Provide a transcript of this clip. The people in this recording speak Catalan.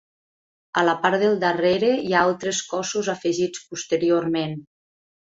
A la part del darrere hi ha altres cossos afegits posteriorment.